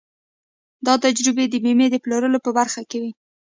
دا تجربې د بيمې د پلورلو په برخه کې وې.